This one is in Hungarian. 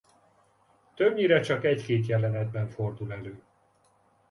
Többnyire csak egy-két jelenetben fordul elő.